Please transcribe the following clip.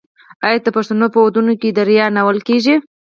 آیا د پښتنو په ودونو کې دریا نه وهل کیږي؟